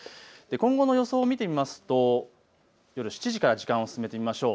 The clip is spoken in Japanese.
今後の予想を見てみますと夜７時から時間を進めてみましょう。